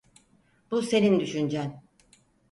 Bu senin düşüncen.